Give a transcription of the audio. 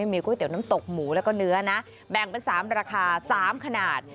มีก๋วยเตี๋ยวน้ำตกหมูแล้วก็เนื้อนะแบ่งเป็น๓ราคา๓ขนาด